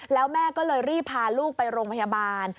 แล้วแม่ก็เลยรีบพาลูกไปโรงพยาบาล